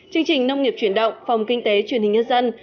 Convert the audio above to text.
chương trình nông nghiệp chuyển động phòng kinh tế truyền hình nhân dân